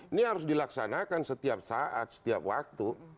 ini harus dilaksanakan setiap saat setiap waktu